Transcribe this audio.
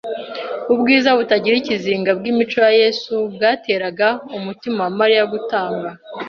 Ubwiza butagira ikizinga bw'imico ya Yesu bwateraga umutima wa Mariya gutangara